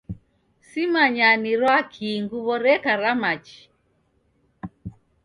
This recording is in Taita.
Simanyaa nirwa kii nguw'o reka ra machi